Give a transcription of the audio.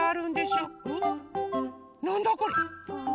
なんだこれ？